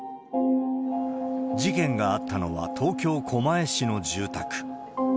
事件があったのは東京・狛江市の住宅。